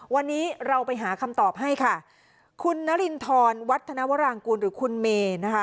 วันนี้เราไปหาคำตอบให้ค่ะคุณนรินทรวัฒนวรางกูลหรือคุณเมนะคะ